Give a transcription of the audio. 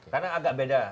karena agak beda